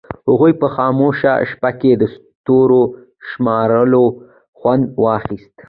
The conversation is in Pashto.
هغوی په خاموشه شپه کې د ستورو شمارلو خوند واخیست.